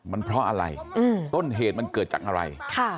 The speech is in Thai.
มันเพราะอะไรต้นเหตุมันเกิดจากอะไร